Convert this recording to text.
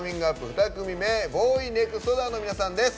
２組目はＢＯＹＮＥＸＴＤＯＯＲの皆さんです。